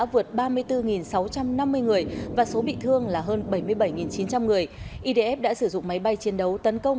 vượt ba mươi bốn sáu trăm năm mươi người và số bị thương là hơn bảy mươi bảy chín trăm linh người idf đã sử dụng máy bay chiến đấu tấn công